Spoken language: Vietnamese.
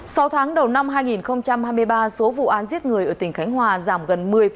sau tháng đầu năm hai nghìn hai mươi ba số vụ án giết người ở tỉnh khánh hòa giảm gần một mươi